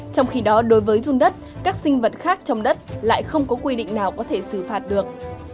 trong khi đó đối với run đất các sinh vật khác trong đất lại không có quy định nào có thể xử phạt được